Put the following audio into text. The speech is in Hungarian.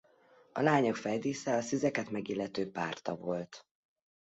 A lányok fejdísze a szüzeket megillető párta volt.